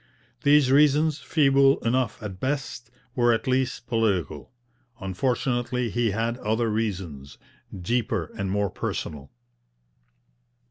These reasons, feeble enough at best, were at least political; unfortunately he had other reasons, deeper and more personal.